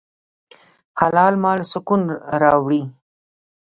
حلال مال سکون راوړي.